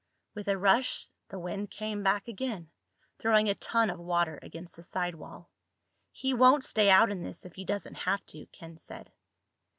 With a rush the wind came back again, throwing a ton of water against the side wall. "He won't stay out in this if he doesn't have to," Ken said.